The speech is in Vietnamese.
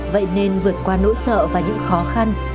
vậy nên vượt qua nỗi sợ và những khó khăn